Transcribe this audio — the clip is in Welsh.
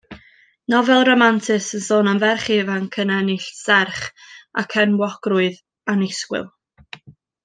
Nofel ramantus yn sôn am ferch ifanc yn ennill serch ac enwogrwydd annisgwyl.